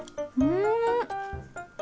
うん！